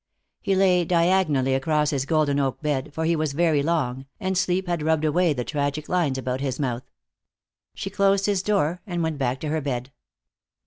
He lay diagonally across his golden oak bed, for he was very long, and sleep had rubbed away the tragic lines about his mouth. She closed his door and went back to her bed.